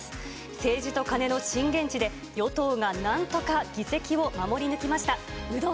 政治とカネの震源地で、与党がなんとか議席を守り抜きました。